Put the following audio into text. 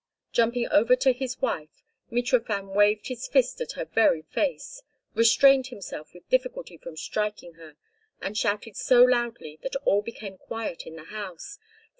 Jumping over to his wife, Mitrofan waved his fist at her very face, restrained himself with difficulty from striking her, and shouted so loudly that all became quiet in the house.